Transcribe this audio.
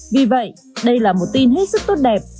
vì vậy đây là một tin hết sức tốt đẹp